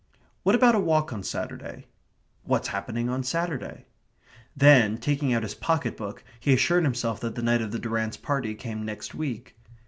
"What about a walk on Saturday?" ("What's happening on Saturday?") Then, taking out his pocket book, he assured himself that the night of the Durrants' party came next week.